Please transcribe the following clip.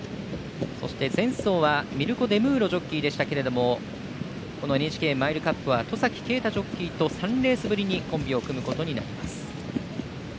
そして、前走はミルコ・デムーロジョッキーでしたけどもＮＨＫマイルカップは戸崎圭太ジョッキーと３レースぶりにコンビを組むことになります。